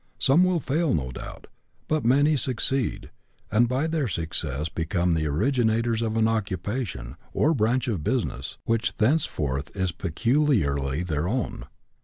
Some will fail no doubt, but many succeed, and by their success become the originators of an occupation, or branch of business, which thenceforth is peculiarly their own.